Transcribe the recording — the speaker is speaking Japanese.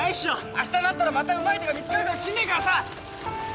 あしたになったらまたうまい手が見つかるかもしんねえからさ。